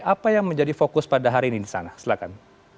apa yang menjadi fokus pada hari ini di sana silahkan